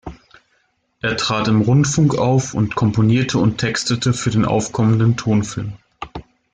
Er trat im Rundfunk auf und komponierte und textete für den aufkommenden Tonfilm.